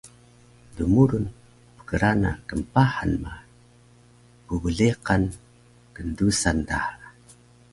dmurun pkrana knpahan ma pbleqan kndusan daha